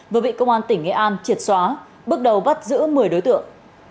vừa bị công an tỉnh nghệ an triệt xóa bước đầu bắt giữ một mươi đối tượng